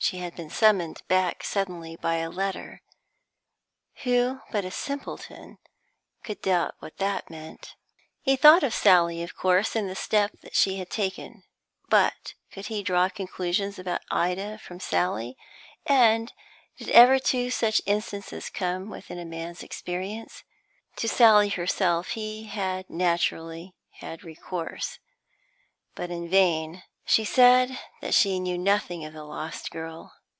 She had been summoned back suddenly by a letter; who but a simpleton could doubt what that meant? He thought of Sally, of course, and the step she had taken; but could he draw conclusions about Ida from Sally, and did ever two such instances come within a man's experience? To Sally herself he had naturally had recourse, but in vain. She said that she knew nothing of the lost girl.